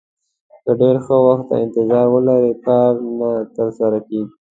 که ډېر ښه وخت ته انتظار ولرئ کار نه ترسره کېږي.